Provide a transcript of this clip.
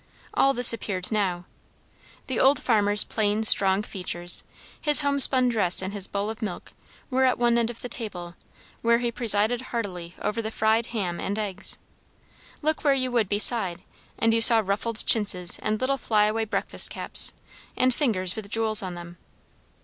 All this appeared now. The old farmer's plain strong features, his homespun dress and his bowl of milk, were at one end of the table, where he presided heartily over the fried ham and eggs. Look where you would beside, and you saw ruffled chintzes and little fly away breakfast caps, and fingers with jewels on them.